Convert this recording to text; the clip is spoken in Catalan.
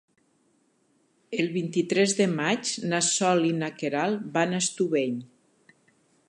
El vint-i-tres de maig na Sol i na Queralt van a Estubeny.